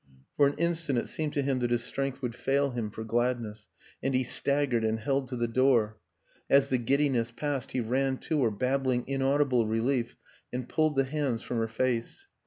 For an instant it seemed to him that his strength would fail him for gladness, and he staggered and held to the door; as the giddiness passed he ran to her, bab bling inaudible relief, and pulled the bands from her face.